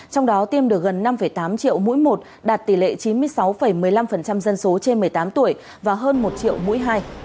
trong đó tiêm được gần năm tám triệu mũi một đạt tỷ lệ chín mươi sáu một mươi năm dân số trên một mươi tám tuổi và hơn một triệu mũi hai